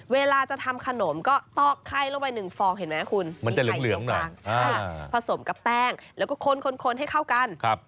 เวลาจะทำขนมก็ตอกไข้ลงไป๑ฟองเห็นไหมคุณมันจะเหลืองผสมกับแป้งแล้วก็คนให้เข้ากัน